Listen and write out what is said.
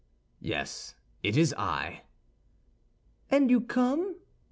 "Yes, it is I." "And you come?"